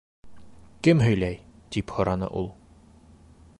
— Кем һөйләй? — тип һораны ул.